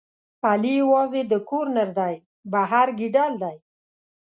علي یوازې د کور نردی، بهر ګیدړ دی.